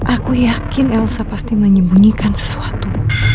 aku yakin elsa pasti menyembunyikan sesuatu